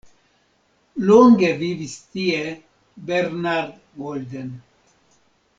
Longe vivis tie Bernard Golden.